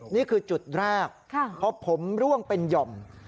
นี่คือจุดแรกเพราะผมร่วงเป็นหย่อม